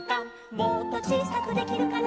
「もっとちいさくできるかな」